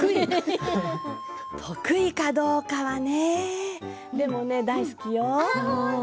得意かどうかはねでも大好きよ。